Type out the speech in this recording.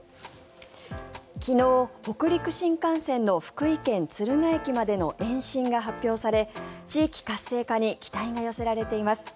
昨日、北陸新幹線の福井県・敦賀駅までの延伸が発表され地域活性化に期待が寄せられています。